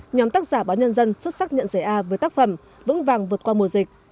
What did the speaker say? nhóm tác giả báo nhân dân xuất sắc nhận giải a với tác phẩm vững vàng vượt qua mùa dịch